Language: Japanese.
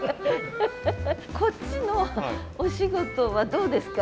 こっちのお仕事はどうですか？